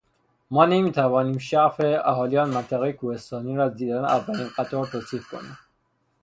ما نمیتوانیم شعف اهالی آن منطقهٔ کوهستانی را از دیدن اولین قطار توصیف کنیم.